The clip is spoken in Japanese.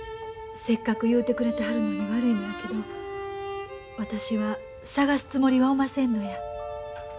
せっかく言うてくれてはるのに悪いのやけど私は捜すつもりはおませんのや。